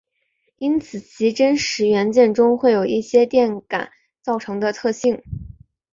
因此其真实元件中会有一些电感造成的特性。